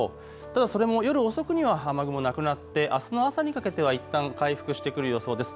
ただそれも夜遅くには雨雲、なくなってあすの朝にかけてはいったん回復してくる予想です。